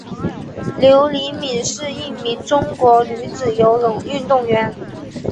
刘黎敏是一名中国女子游泳运动员。